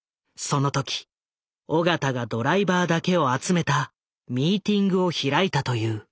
その時緒方がドライバーだけを集めたミーティングを開いたという。